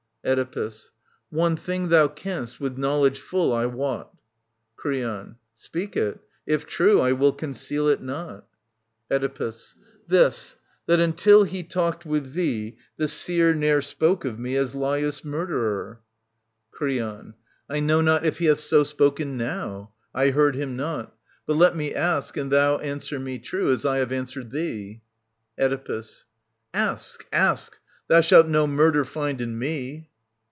Oedipus. One thing thmi canst, with knowledge full, I wot Creon. Speak it. If true, I will conceal it not. Oedipus. This : that until he talked with thee, the seer Ne'er spoke of me as Laius' murderer. 32 »T. 574 589 OEDIPUS, KING OF THEBES Creon. I know not if he hath so spoken now. I heard him not. — But let me ask and thou Answer me true, as I have answered thee. Oedipus. Ask, ask ! Thou shalt no murder find in me.